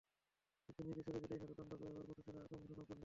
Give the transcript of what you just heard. শুধু নিজে সরে গেলেনই না, রোনালদোকে এবারের বর্ষসেরা আগাম ঘোষণাও করলেন।